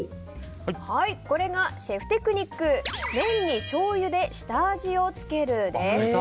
これがシェフテクニック麺にしょうゆで下味をつける！